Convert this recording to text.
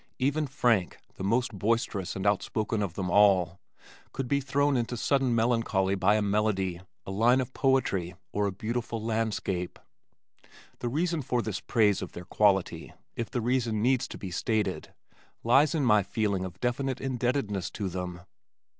Even Frank, the most boisterous and outspoken of them all, could be thrown into sudden melancholy by a melody, a line of poetry or a beautiful landscape. The reason for this praise of their quality, if the reason needs to be stated, lies in my feeling of definite indebtedness to them.